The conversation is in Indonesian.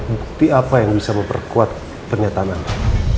bukti apa yang bisa memperkuat pernyataan anda